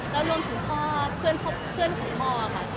แล้วโล่งถึงเพื่อนของพ่อค่ะ